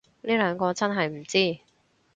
呢兩個真係唔知